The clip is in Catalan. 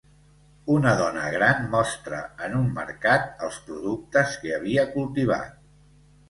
Una dona gran mostra en un mercat els productes que havia cultivat.